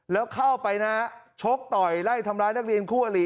แล้วเข้าไปนะชกต่อยไล่ทำร้ายนักเรียนคู่อลิ